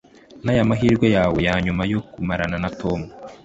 naya mahirwe yawe yanyuma yo kumarana na tom